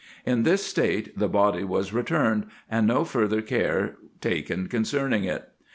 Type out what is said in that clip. In this state the body was returned, and no further care taken concerning it.